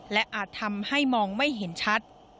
และอาจทำให้มองไม่เห็นชัด